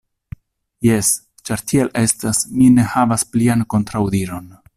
Jes, ĉar tiel estas, mi ne havas plian kontraŭdiron.